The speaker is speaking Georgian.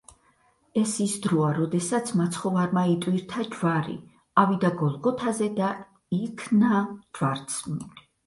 ეს ის დროა, როდესაც მაცხოვარმა იტვირთა ჯვარი, ავიდა გოლგოთაზე და იქნა ჯვარცმული.